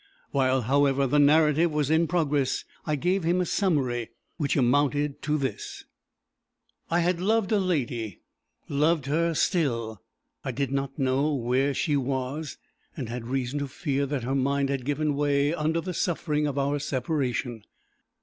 While, however, the narrative was in progress, I gave him a summary, which amounted to this: I had loved a lady loved her still. I did not know where she was, and had reason to fear that her mind had given way under the suffering of our separation.